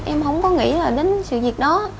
em không có nghĩ đến sự việc đó